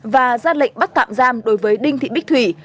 và ra lệnh bắt tạm giam đối với đinh thị bích thủy